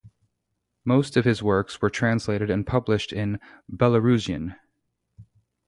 Most of his works were translated and published in Belarusian.